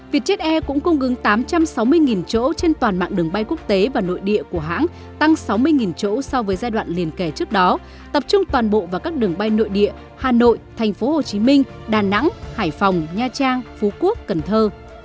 việt jet air cũng cung ứng tám trăm sáu mươi chỗ trên toàn mạng đường bay quốc tế và nội địa của hãng tăng sáu mươi chỗ so với giai đoạn liền kẻ trước đó tập trung toàn bộ vào các đường bay nội địa hà nội thành phố hồ chí minh đà nẵng hải phòng nha trang phú quốc cần thơ